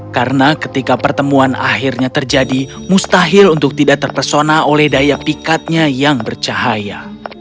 karena ketika pertemuan akhirnya terjadi mustahil untuk tidak terpesona oleh daya pikatnya yang bercahaya